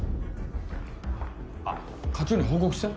あっ課長に報告した？